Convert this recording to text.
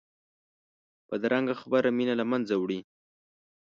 بدرنګه خبره مینه له منځه وړي